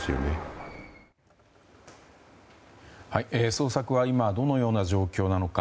捜索は今、どのような状況なのか。